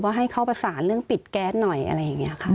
ให้เขาประสานเรื่องปิดแก๊สหน่อยอะไรอย่างนี้ค่ะ